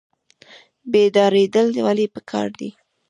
بیداریدل ولې پکار دي؟